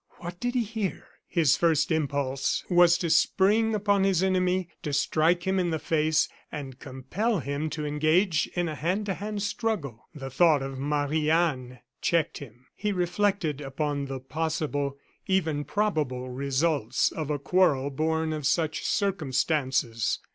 What did he hear?" His first impulse was to spring upon his enemy, to strike him in the face, and compel him to engage in a hand to hand struggle. The thought of Anne Marie checked him. He reflected upon the possible, even probable results of a quarrel born of such circumstances.